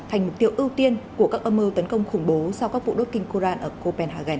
thành mục tiêu ưu tiên của các âm mưu tấn công khủng bố sau các vụ đốt kinh koran ở copenhagen